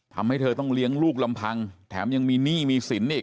ทำให้เธอต้องเลี้ยงลูกลำพังแถมยังมีหนี้มีสินอีก